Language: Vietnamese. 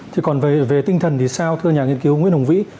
thì còn về tinh thần thì sao thưa nhà nghiên cứu nguyễn hồng vĩ